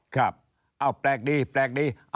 ครับแปลกดีแปลกดี